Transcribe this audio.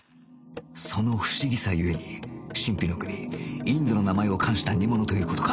その不思議さゆえに神秘の国インドの名前を冠した煮物という事か